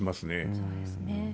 そうですね。